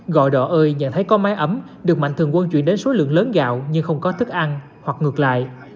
gọi đồ ơi nhận thấy có mái ấm được mạnh thường quân chuyển đến số lượng lớn gạo nhưng không có thức ăn hoặc ngược lại